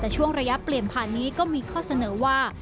แต่ช่วงระยะเปลี่ยนผ่านนี้ก็มีข้อเสนอว่า